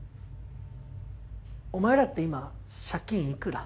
お前らって今借金いくら？